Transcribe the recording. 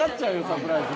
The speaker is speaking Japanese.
サプライズ。